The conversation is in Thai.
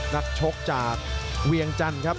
นักชกจากเวียงจันทร์ครับ